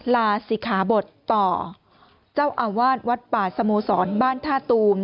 ลาศิขาบทต่อเจ้าอาวาสวัดป่าสโมสรบ้านท่าตูม